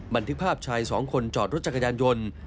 บันทึกภาพชายสองคนจอดรถจักรยานยนต์